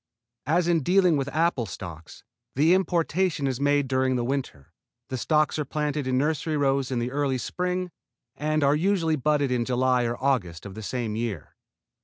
As in dealing with apple stocks, the importation is made during the winter, the stocks are planted in nursery rows in the early spring, and are usually budded in July or August of the same year.